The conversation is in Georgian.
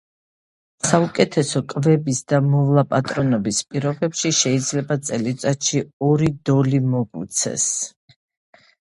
საუკეთესო კვებისა და მოვლა-პატრონობის პირობებში შეიძლება წელიწადში ორი დოლი მოგვცეს.